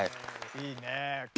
いいね。